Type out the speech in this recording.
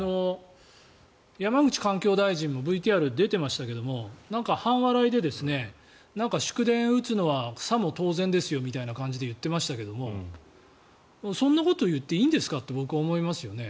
山口環境大臣もＶＴＲに出ていましたけど半笑いで祝電を打つのはさも当然ですよみたいな感じで言ってましたけどそんなこと言っていいんですかと僕は思いますよね。